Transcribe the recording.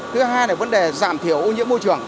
thứ hai là vấn đề giảm thiểu ô nhiễm môi trường